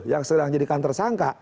yang sedang dijadikan tersangka